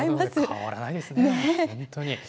変わらないですね、本当に。